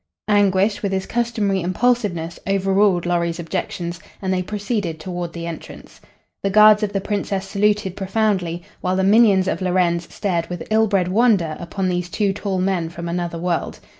Anguish, with his customary impulsiveness, overruled Lorry's objections, and they proceeded toward the entrance. The guards of the Princess saluted profoundly, while the minions of Lorenz stared with ill bred wonder upon these two tall men from another world.